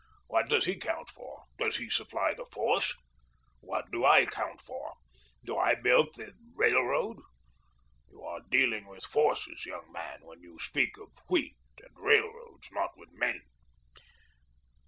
What does he count for? Does he supply the force? What do I count for? Do I build the Railroad? You are dealing with forces, young man, when you speak of Wheat and the Railroads, not with men.